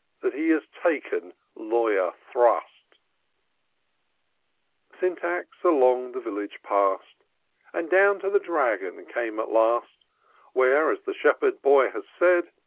That He has taken Lawyer Thrust'' Syntax along the village pass'd. And to the Dragon came at last ; Where, as the shepherd boy had said.